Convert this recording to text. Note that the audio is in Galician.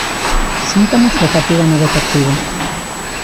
Síntomas de fatiga no Deportivo.